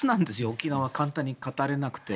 沖縄、簡単に語れなくて。